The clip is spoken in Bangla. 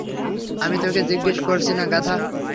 আমি তোকে জিজ্ঞেস করছি না, গাধা।